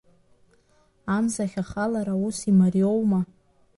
Амзахь ахалара ус имариоума?